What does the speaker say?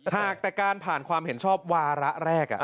หากแต่การผ่านความเห็นชอบวาระแรก